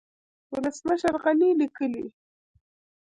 ولسمشر غني ليکلي